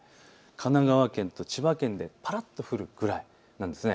神奈川県と千葉県でぱらっと降るぐらいなんです。